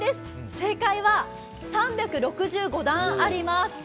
正解は３６５段あります。